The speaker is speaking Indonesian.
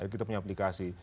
kita punya aplikasi